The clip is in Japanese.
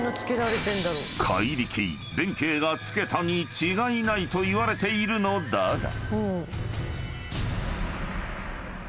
［怪力弁慶が付けたに違いないといわれているのだが］